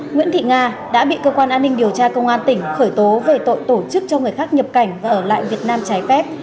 nguyễn thị nga đã bị cơ quan an ninh điều tra công an tỉnh khởi tố về tội tổ chức cho người khác nhập cảnh và ở lại việt nam trái phép